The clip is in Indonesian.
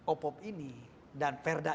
opop ini dan perda